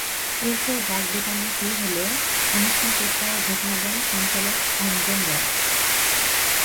এরপর বাগবিতণ্ডা শুরু হলে অনুষ্ঠান শেষ করার ঘোষণা দেন সঞ্চালক অঞ্জন রায়।